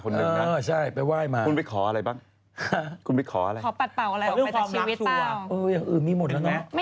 ไม่ใช่เขาบอกได้ขอได้หรอ